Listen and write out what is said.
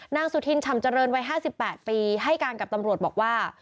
สุธินฉ่ำเจริญวัย๕๘ปีให้การกับตำรวจบอกว่า